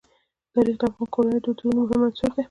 تاریخ د افغان کورنیو د دودونو مهم عنصر دی.